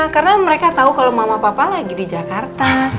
karena mereka tau kalau mama papa lagi di jakarta